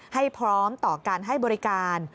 ให้พร้อมต่อการให้บริการ